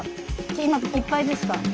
今いっぱいですか？